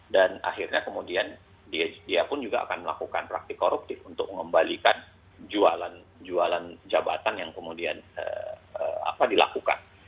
dan akhirnya kemudian dia pun juga akan melakukan praktik koruptif untuk mengembalikan jualan jabatan yang kemudian dilakukan